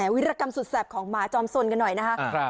วิรกรรมสุดแสบของหมาจอมสนกันหน่อยนะครับ